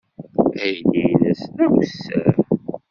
Aydi-nnes d awessar.